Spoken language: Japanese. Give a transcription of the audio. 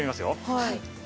はい。